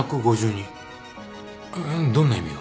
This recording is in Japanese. どんな意味が。